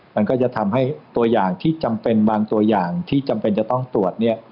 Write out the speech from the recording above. มันก็จะทำให้ตัวอย่างที่จำเป็นบางตัวอย่างที่จำเป็นจะต้องตรวจเนี่ย